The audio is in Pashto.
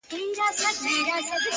بچ مې کړلې بس دغه شېبې له زندګۍ